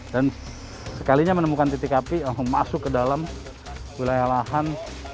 dan sekalinya menemukan titik api langsung masuk ke dalam wilayah lahan